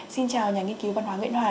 xin chào nhà nghiên cứu văn hóa nguyễn hòa